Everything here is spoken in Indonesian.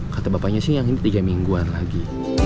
kata bapaknya sih yang ini tiga mingguan lagi